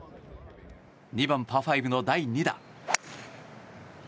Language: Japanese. ２番、パー５の第２打。